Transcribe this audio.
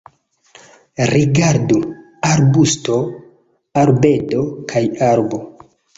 Rigardu: arbusto, arbedo kaj arbo.